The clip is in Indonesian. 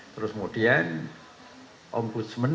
terus kemudian ombudsman